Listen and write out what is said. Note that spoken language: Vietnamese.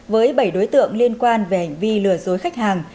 với bảy đối tượng liên quan về hành vi lừa dối khách hàng